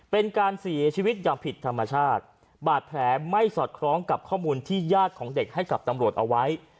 เป็นการเสียชีวิตอย่างผิดธรรมชาติบาดแผลไม่สอดคล้องกับข้อมูลที่ญาติของเด็กให้กับตำรวจเอาไว้